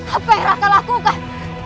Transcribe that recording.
apa yang raka lakukan